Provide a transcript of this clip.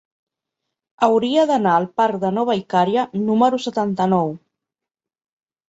Hauria d'anar al parc de Nova Icària número setanta-nou.